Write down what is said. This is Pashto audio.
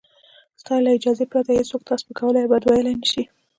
ستا له اجازې پرته هېڅوک تا سپکولای او بد ویلای نشي.